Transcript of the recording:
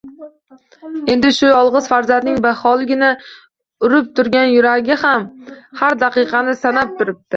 Endi shu yolg`iz farzandning beholgina urib turgan yuragi ham, har daqiqani sanab turibdi